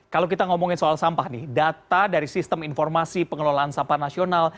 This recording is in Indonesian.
kalau kita ngomongin soal sampah nih data dari sistem informasi pengelolaan sampah nasional